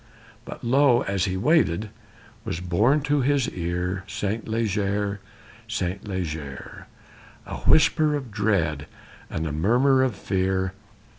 But lo! as he waited, was borne to his ear Saint Leger, Saint Leger A whisper of dread and a murmur of fear!